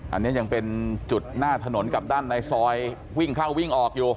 อันนี้ยังเป็นจุดหน้าถนนกับด้านในซอยวิ่งเข้าวิ่งออกอยู่